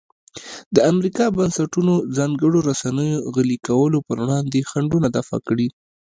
د امریکا بنسټونو ځانګړنو رسنیو غلي کولو پر وړاندې خنډونه دفع کړي.